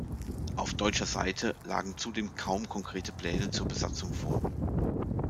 Auf deutscher Seite lagen zudem kaum konkrete Pläne zur Besatzung vor.